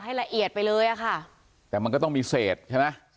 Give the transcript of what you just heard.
ละเอียดไปเลยอะค่ะแต่มันก็ต้องมีเศษใช่ไหม